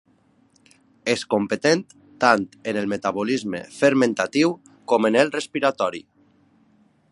És competent tant en el metabolisme fermentatiu com en el respiratori.